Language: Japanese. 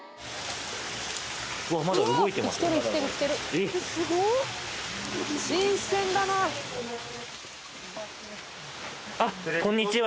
えっ？あっこんにちは。